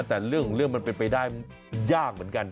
แต่เรื่องมันเป็นไปได้ยากเหมือนกัน